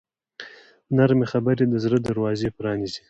نرمې خبرې د زړه دروازې پرانیزي.